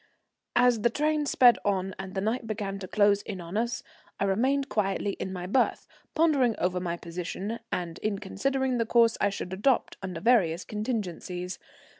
As the train sped on and the night began to close in on us, I remained quietly in my berth, pondering over my position, and in considering the course I should adopt under various contingencies.